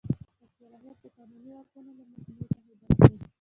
صلاحیت د قانوني واکونو له مجموعې څخه عبارت دی.